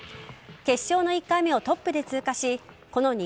決勝の１回目をトップで通過しこの